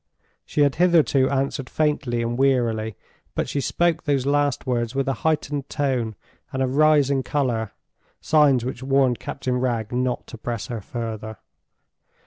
She had hitherto answered faintly and wearily; but she spoke those last words with a heightened tone and a rising color—signs which warned Captain Wragge not to press her further.